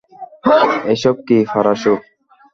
এসব কী, পারাসু?